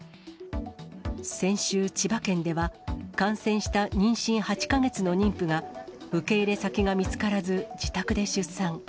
先週、千葉県では、感染した妊娠８か月の妊婦が、受け入れ先が見つからず、自宅で出産。